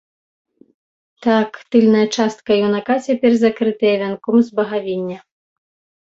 Так, тыльная частка юнака цяпер закрытая вянком з багавіння.